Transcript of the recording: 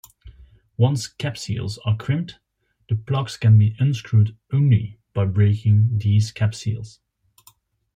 Once cap-seals are crimped, the plugs can be unscrewed only by breaking these cap-seals.